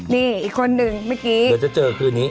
นี่อีกคนหนึ่งเมื่อกี้เดี๋ยวจะเจอคืนนี้